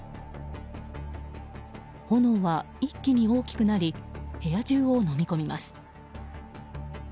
炎は一気に大きくなり部屋中をのみ込みます。